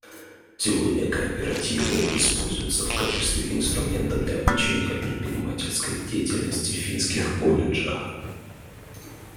Сегодня кооперативы используются в качестве инструмента для обучения предпринимательской деятельности в финских колледжах.